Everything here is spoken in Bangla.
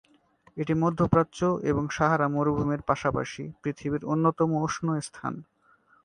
এটি মধ্য প্রাচ্য এবং সাহারা মরুভূমির পাশাপাশি পৃথিবীর অন্যতম উষ্ণ স্থান।